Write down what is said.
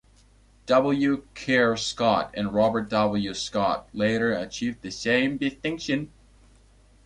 W. Kerr Scott and Robert W. Scott later achieved the same distinction.